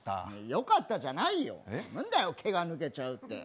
よかったじゃないよ、何だよ「け」が抜けちゃうって。